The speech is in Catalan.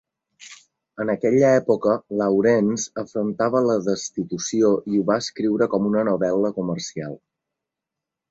En aquella època Lawrence afrontava la destitució i ho va escriure com una novel·la comercial..